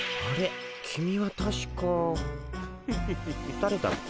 だれだっけ？